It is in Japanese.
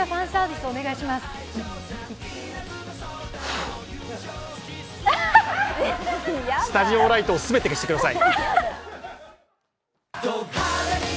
スタジオライトを全て消してください。